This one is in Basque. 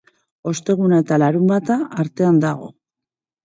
Osteguna eta Larunbata artean dago.